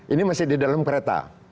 ini masih di dalam kereta